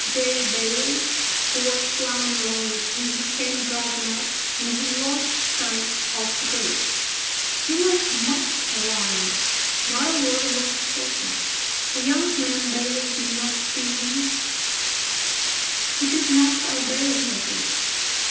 J. Bailey who was ploughing along with him, came driving up, and he lost sight of the ghost. He was much alarmed: not a word was spoken. The young man Bailey did not see him; he did not tell Bailey of it.